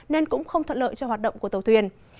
nên cũng không thuận lợi cho hoạt động của tàu thuyền